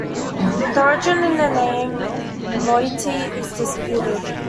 The origin of the name Leoti is disputed.